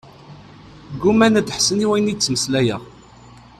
Gguman ad ḥessen i wayen i d-ttmeslayeɣ.